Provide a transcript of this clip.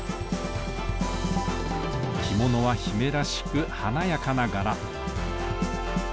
着物は姫らしく華やかな柄。